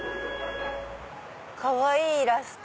かわいいイラスト！